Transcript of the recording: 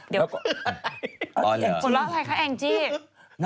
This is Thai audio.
เดี๋ยวก่อน